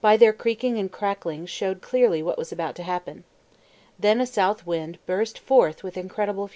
2 their creaking and cracking showed clearly what was about to happen; then a south wind burst forth with incredible.